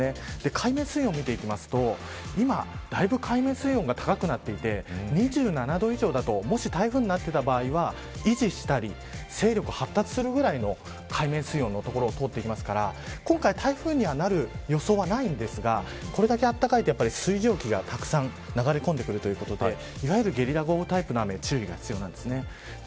海面の水温を見ていくと今、だいぶ海面水温が高くなっていて２７度以上だと、もし台風になっていた場合は維持したり勢力が発達するぐらいの海面水温の所を通ってきますから今回、台風にはなる予想はないんですがこれだけあったかいと水蒸気がたくさん流れ込んでくるということでいわゆるゲリラ豪雨のタイプの雨に注意が必要です。